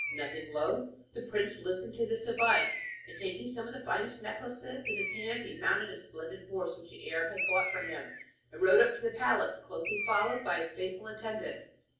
Nothing loth, the prince listened to this advice, and taking some of the finest necklaces in his hand, he mounted a splendid horse which the Arab had bought for him, and rode up to the palace, closely followed by his faithful attendant.